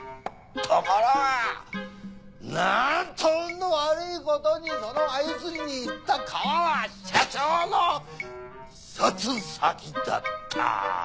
ところがなんと運の悪いことにそのアユ釣りに行った川は社長の視察先だった。